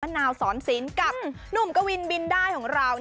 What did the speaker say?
นาวสอนศิลป์กับหนุ่มกวินบินได้ของเรา